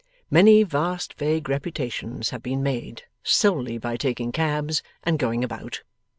Many vast vague reputations have been made, solely by taking cabs and going about.